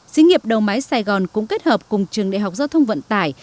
xí nghiệp đầu máy sài gòn cũng kết hợp cùng trường đại học giao thông vận tải